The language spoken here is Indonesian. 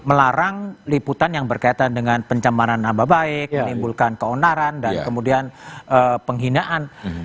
melarang liputan yang berkaitan dengan pencemaran nama baik menimbulkan keonaran dan kemudian penghinaan